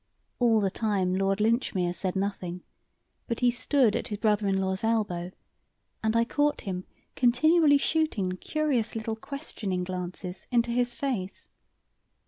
All the time Lord Linchmere said nothing, but he stood at his brother in law's elbow, and I caught him continually shooting curious little, questioning glances into his face.